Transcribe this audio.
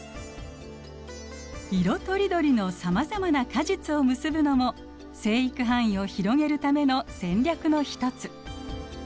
色とりどりのさまざまな果実を結ぶのも生育範囲を広げるための戦略の一つ。